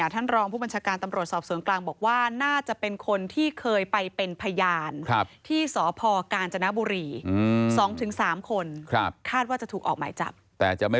ท่านรองผู้บัญชาการตำรวจสอบสวงกลางบอกว่า